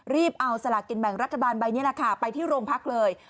รีบเอาสละกินแบ่งรัฐบาลใบนี้ไปที่โรงพักเลย